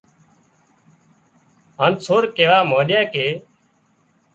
هانَ سور ڪيوا مانڏيا ڪي